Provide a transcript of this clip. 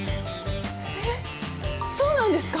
えっそうなんですか？